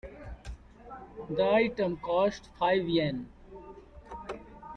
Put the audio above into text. The item costs five Yen.